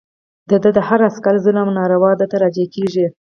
د ده د هر عسکر ظلم او ناروا ده ته راجع کېږي.